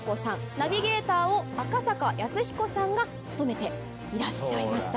ナビゲーターを赤坂泰彦さんが務めていらっしゃいました。